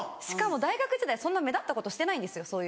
しかも大学時代そんな目立ったことしてないんですよ。